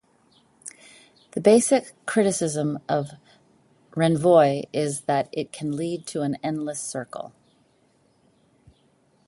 The basic criticism of renvoi is that it can lead to an endless circle.